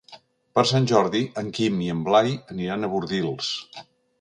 Per Sant Jordi en Guim i en Blai aniran a Bordils.